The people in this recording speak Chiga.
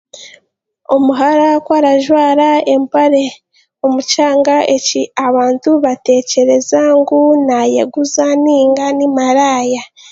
Omuhara kwarajwaara empare omu kyanga eki abantu batekyereza ngu nayeguza ninga nimaraaya.